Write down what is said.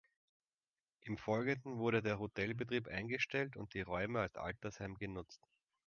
Im Folgenden wurde der Hotelbetrieb eingestellt und die Räume als Altersheim genutzt.